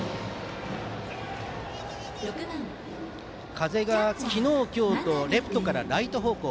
風が昨日、今日とレフトからライト方向。